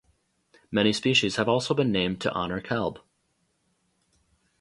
Many species have also been named to honour Kalb.